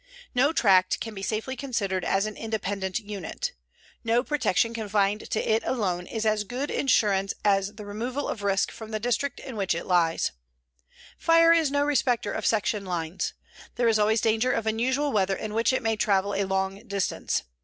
No tract can be safely considered as an independent unit. No protection confined to it alone is as good insurance as the removal of risk from the district within which it lies. Fire is no respecter of section lines. There is always danger of unusual weather in which it may travel a long distance.